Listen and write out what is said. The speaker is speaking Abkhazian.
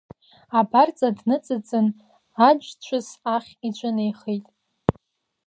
Абарҵа дныҵыҵын аџь-ҿыс ахь иҿынеихеит.